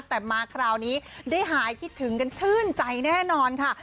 แต่มาคราวนี้ได้หายคิดถึงกันชื่นใจแน่นอนค่ะ